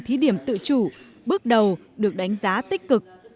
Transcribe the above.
thí điểm tự chủ bước đầu được đánh giá tích cực